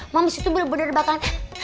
mams itu bener bener bakalan